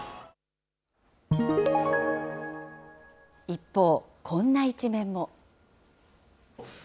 一方、こんな一面も。